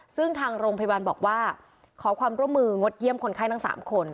ซึ่งทางโรงพยาบาลบอกว่าขอความร่วมมืองดเยี่ยมคนไข้ทั้ง๓คน